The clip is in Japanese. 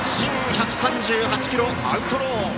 １３８キロ、アウトロー。